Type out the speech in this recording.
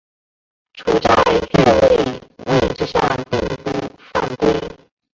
处在越位位置上并不犯规。